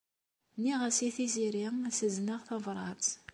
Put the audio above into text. Nniɣ-as i Tiziri ad as-azneɣ tabṛat.